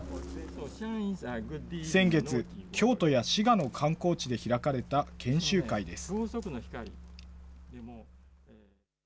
先月、京都や滋賀の観光地で開かれた研修会です。